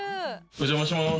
お邪魔します。